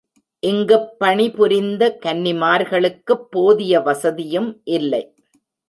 இங்குப் பணிபுரிந்த கன்னிமார்களுக்குப் போதிய வசதியும் இல்லை.